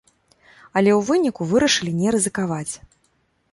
Але ў выніку вырашылі не рызыкаваць.